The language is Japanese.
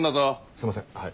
すいませんはい。